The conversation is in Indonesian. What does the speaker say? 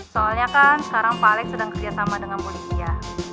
soalnya kan sekarang pak lex sedang kerja sama dengan bu lydia